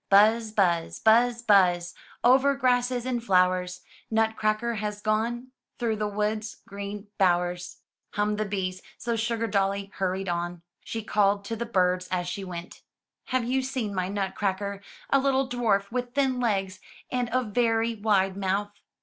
''Buzz, buzz, buzz, buzz. Over grasses and flowers, Nutcracker has gone Through the wood's green bowers," hummed the bees, so Sugardolly hurried on. She called to the birds as she went, ''Have you seen my Nutcracker — a little dwarf with thin legs, and a very wide mouth?"